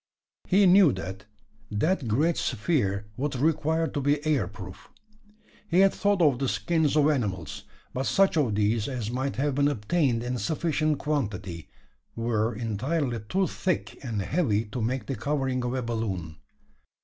He knew that that great sphere would require to be air proof. He had thought of the skins of animals; but such of these as might have been obtained in sufficient quantity, were entirely too thick and heavy to make the covering of a balloon.